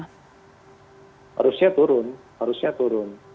harusnya turun harusnya turun